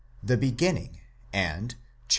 the beginning and (chap.